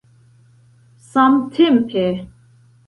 samtempe